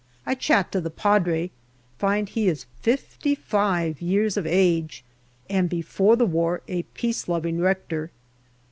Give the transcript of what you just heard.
I chat to the Padre ; find he is fifty five years of age and before the war a peace loving rector.